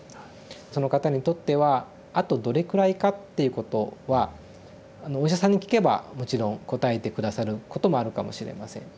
その方にとってはあとどれくらいかっていうことはお医者さんに聞けばもちろん答えて下さることもあるかもしれません。